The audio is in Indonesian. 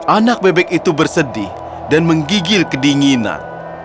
anak bebek itu bersedih dan menggigil kedinginan